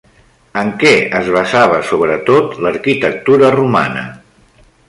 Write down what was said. En què es basava sobretot l'arquitectura romana?